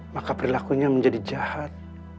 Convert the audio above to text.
maka perilakunya menjadi jahat